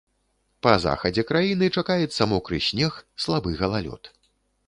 Па захадзе краіны чакаецца мокры снег, слабы галалёд.